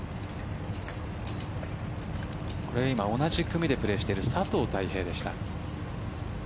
同じ組でプレーしている佐藤大平。